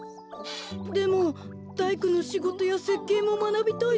でもだいくのしごとやせっけいもまなびたいでごわすし。